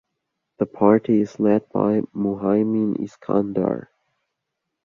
The party is led by Muhaimin Iskandar.